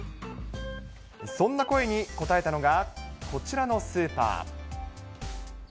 そんな声に応えたのが、こちらのスーパー。